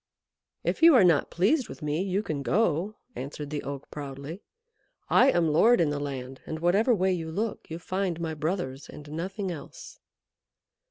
"If you are not pleased with me, you can go," answered the Oak proudly. "I am lord in the land, and whatever way you look you find my brothers and nothing else."